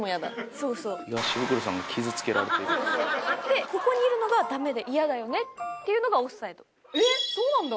でここにいるのがダメでイヤだよね？っていうのがオフサイド。